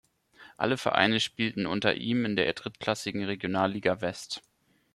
Alle Vereine spielten unter ihm in der drittklassigen Regionalliga West.